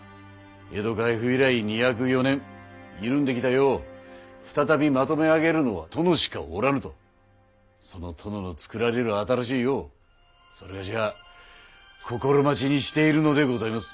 江戸開府以来二百余年緩んできた世を再び纏め上げるのは殿しかおらぬとその殿の作られる新しい世を某は心待ちにしているのでございます。